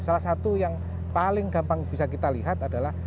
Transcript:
salah satu yang paling gampang bisa kita lihat adalah